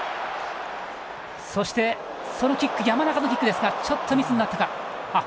そして、そのキック山中のキックだったがミスになったか。